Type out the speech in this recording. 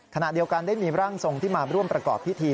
ขณะเดียวกันได้มีร่างทรงที่มาร่วมประกอบพิธี